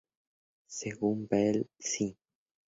Según Bell sí.